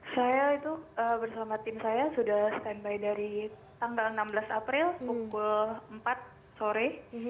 saya itu bersama tim saya sudah standby dari tanggal enam belas april pukul empat sore